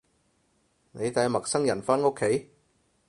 你帶陌生人返屋企